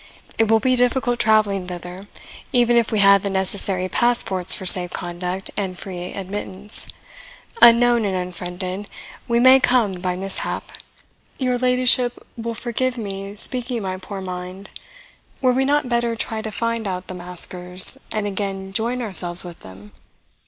It will be difficult travelling thither, even if we had the necessary passports for safe conduct and free admittance; unknown and unfriended, we may come by mishap. Your ladyship will forgive my speaking my poor mind were we not better try to find out the maskers, and again join ourselves with them?"